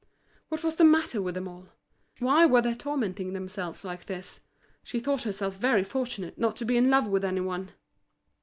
What was the matter with them all? why were they tormenting themselves like this? She thought herself very fortunate not to be in love with any one.